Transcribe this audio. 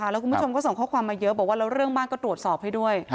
แล้วคุณผู้ชมก็ส่งข้อความมาเยอะบอกว่าแล้วเรื่องบ้านก็ตรวจสอบให้ด้วย